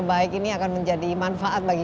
baik ini akan menjadi manfaat bagi